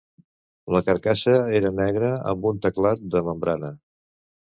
La carcassa era negra, amb un teclat de membrana.